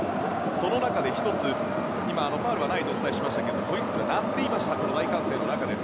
その中で１つファウルはないとお伝えしましたがホイッスルが鳴っていました。